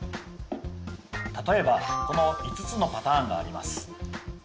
例えばこの５つのパターンがあります。